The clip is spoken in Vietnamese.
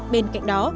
bên cạnh đó